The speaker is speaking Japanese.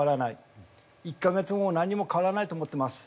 １か月後も何にも変わらないと思ってます。